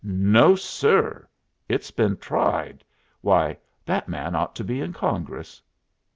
No, sir! It's been tried. Why, that man ought to be in Congress."